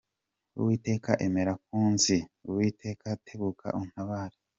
Uwiteka emera kunkiza, Uwiteka tebuka untabare.